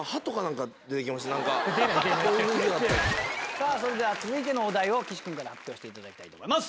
さぁそれでは続いてのお題を岸君から発表していただきたいと思います。